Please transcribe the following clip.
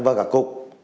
và cả cục